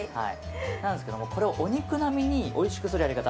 なんですけれども、これをお肉並みにおいしくするやり方。